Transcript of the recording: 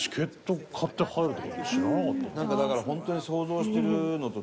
なんかだからホントに。